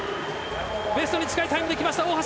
ベストに近いタイムで来ました大橋。